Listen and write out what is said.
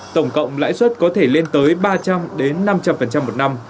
tổng cộng lãi suất có thể lên tới ba trăm linh năm trăm linh một năm